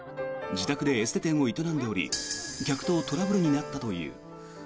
自宅でエステ店を営んでおり客とトラブルになったという。